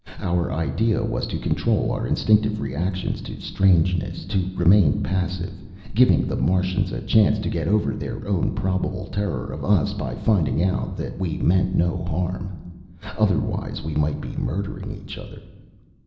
Our idea was to control our instinctive reactions to strangeness, to remain passive, giving the Martians a chance to get over their own probable terror of us by finding out that we meant no harm. Otherwise we might be murdering each other.